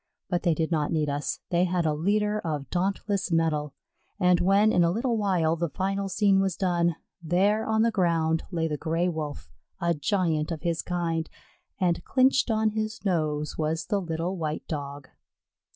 But they did not need us; they had a leader of dauntless mettle, and when in a little while the final scene was done, there on the ground lay the Gray wolf, a giant of his kind, and clinched on his nose was the little white Dog.